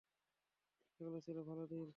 সেগুলো ছিলো ভালো দিন।